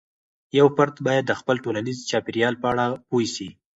یو فرد باید د خپل ټولنيزې چاپیریال په اړه پوه سي.